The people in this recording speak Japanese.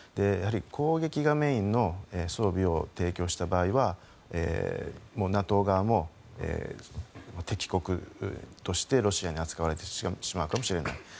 やはり攻撃がメインの装備を提供した場合はもうＮＡＴＯ側も、敵国としてロシアに扱われてしまうかもしれない。